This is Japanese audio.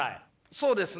そうですね。